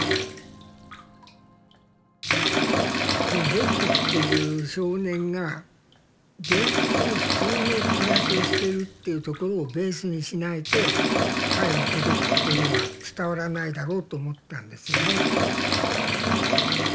この「ぼく」っていう少年が現実に普通の暮らしをしてるっていうところをベースにしないと彼の孤独っていうのは伝わらないだろうと思ったんですよね。